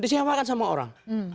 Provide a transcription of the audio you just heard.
disewakan sama orang